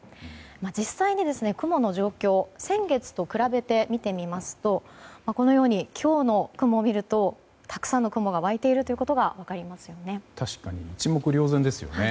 実際に雲の状況を先月と比べて見てみるとこのように今日の雲を見るとたくさんの雲が湧いているのが分かりますよね。